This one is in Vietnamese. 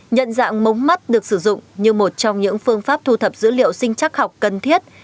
nhận dạng mống mắt được sử dụng như một trong những phương pháp thu thập dữ liệu sinh chắc học cần thiết